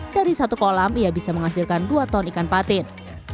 dari satu kolam ia bisa menghasilkan dua ton ikan patin